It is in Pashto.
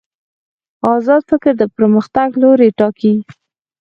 ازاد فکر د پرمختګ لوری ټاکي.